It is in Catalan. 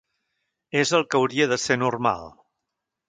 És el que hauria de ser normal.